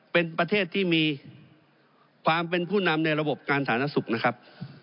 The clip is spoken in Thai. เป็นประเทศที่มีความเป็นผู้นำในระบบการสาธารณสุขนะครับ